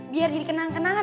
biar jadi kenangan kenangan